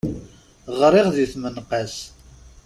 Γriɣ di tmenqas.